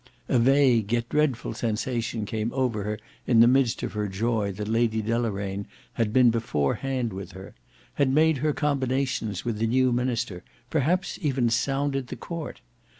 A vague yet dreadful sensation came over her in the midst of her joy that Lady Deloraine had been beforehand with her; had made her combinations with the new Minister; perhaps even sounded the Court.